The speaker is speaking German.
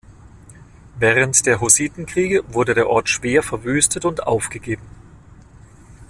Während der Hussitenkriege wurde der Ort schwer verwüstet und aufgegeben.